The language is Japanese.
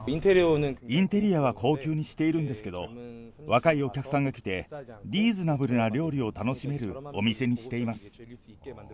インテリアは高級にしているんですけれども、若いお客さんが来て、リーズナブルな料理を楽しめるお店にしています。